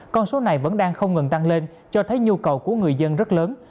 con số này vẫn đang không ngừng tăng lên cho thấy nhu cầu của người dân rất lớn